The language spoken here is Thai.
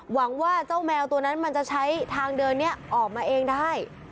หวังว่าเจ้าแมวตัวนั้นมันจะใช้ทางเดินนี้ออกมาเองได้